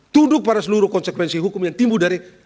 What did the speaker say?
tuduh pada seluruh konsekuensi hukum yang timbul dari